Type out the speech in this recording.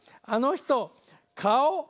あの人顔